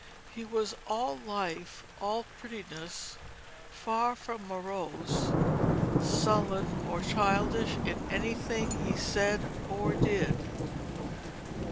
He was all life, all prettiness, far from morose, sullen, or childish in any thing he said or did."